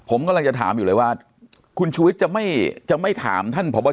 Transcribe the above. ผมกำลังจะถามอยู่เลยว่าคุณชูวิทย์จะไม่จะไม่ถามท่านพบ